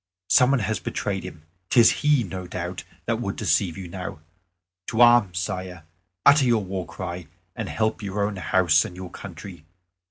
Some one has betrayed him; 'tis he, I doubt not, that would deceive you now. To arms, Sire! utter your war cry, and help your own house and your country.